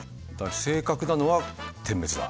正確なのは点滅だ。